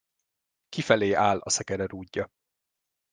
Kifelé áll a szekere rúdja.